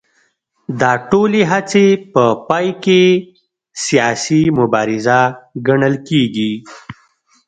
دا ټولې هڅې په پای کې سیاسي مبارزه ګڼل کېږي